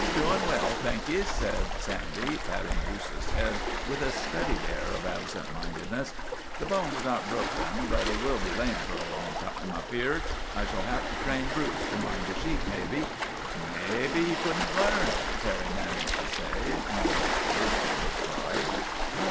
He 's doin' well, thank ye," said Sandy, patting Bruce's head with a studied air of absent minded ness. " The bone was not broken, but he will be lame for a long time, I fear. I shall have to train Bruce to mind the sheep, maybe." 48 THE TWA DOGS O' GLENFERGUS " Maybe he could n't learn," Terry managed to say, almost bursting with pride.